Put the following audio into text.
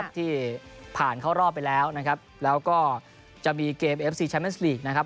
ที่ผ่านเข้ารอบไปแล้วนะครับแล้วก็จะมีเกมเอฟซีนะครับ